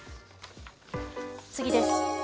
次です。